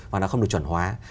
và nó không được chuẩn hóa